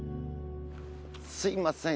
すいません